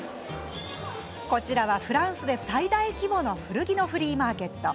こちらはフランスで最大規模の古着のフリーマーケット。